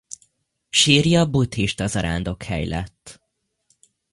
Sírja buddhista zarándokhely lett.